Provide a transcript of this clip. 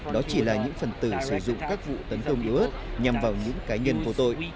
đó chỉ là những phần tử sử dụng các vụ tấn công iout nhằm vào những cá nhân vô tội